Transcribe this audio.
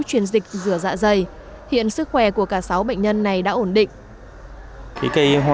chuyển dịch rửa dạ dày hiện sức khỏe của cả sáu bệnh nhân này đã ổn định